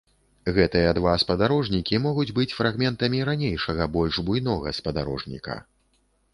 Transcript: Гэтыя два спадарожнікі могуць быць фрагментамі ранейшага больш буйнога спадарожніка.